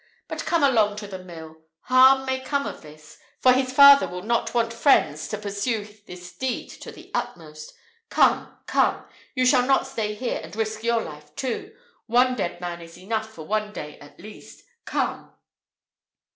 But come along to the mill. Harm may come of this; for his father will not want friends to pursue this deed to the utmost. Come, come! You shall not stay here, and risk your life too. One dead man is enough for one day at least. Come!"